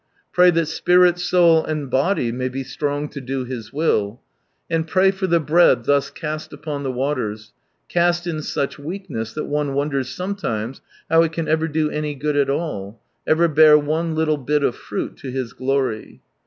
Pray that spirit, soul, and body may be strong to do His will. And pray for the bread thus cast upon the waters —cast in such weakness, that one wonders lometimes how it can ever do any good at all — ever bear one little bit of fruit to His glory.